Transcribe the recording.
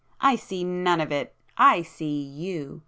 I see none of it,—I see You!